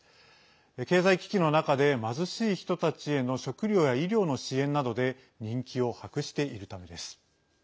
経済危機の中で貧しい人たちへの食料や医療の支援などで人気を博しているためです。